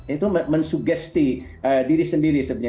itu mensugesti diri sendiri sebenarnya